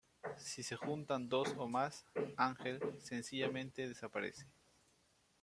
Si se juntan dos o más, Ángel, sencillamente, desaparece.